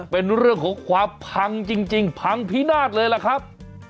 เป็นเรื่องของความพังจริงพังพินาศเลยล่ะครับ